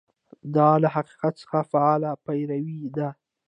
دا له حقیقت څخه فعاله پیروي ده.